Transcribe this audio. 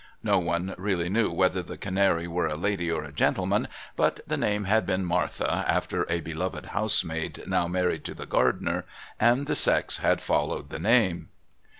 (No one really knew whether the canary were a lady or a gentleman, but the name had been Martha after a beloved housemaid, now married to the gardener, and the sex had followed the name.)